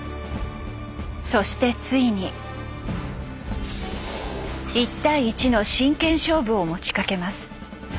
そしてついに一対一の真剣勝負を持ちかけます。